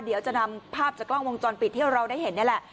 เดี๋ยวจะนำภาพจากกล้องวงจรปิดที่เราได้เห็นนี่แหละ